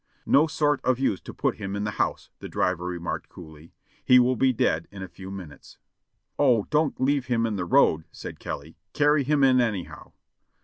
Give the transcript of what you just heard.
"No sort of use to put him in the house," the driver remarked coolly; "he will be dead in a few minutes." "Oh! don't leave him in the road," said Kelly; "carry him in anyhow."